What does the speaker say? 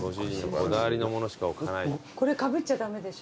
これかぶっちゃ駄目でしょ？